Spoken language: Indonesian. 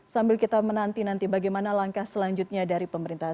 sambil kita menanti nanti bagaimana langkah selanjutnya dari pemerintah